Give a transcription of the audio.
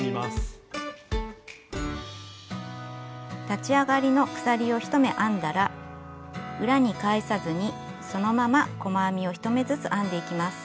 立ち上がりの鎖を１目編んだら裏に返さずにそのまま細編みを１目ずつ編んでいきます。